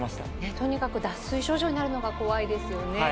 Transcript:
とにかく脱水症状になるのが怖いですよね。